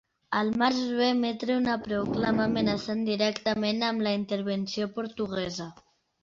Al març va emetre una proclama amenaçant directament amb la intervenció portuguesa.